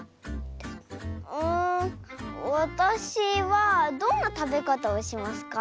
んわたしはどんなたべかたをしますか？